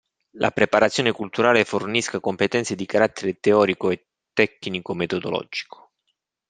La preparazione culturale fornisca competenze di carattere teorico e tecnico-metodologico.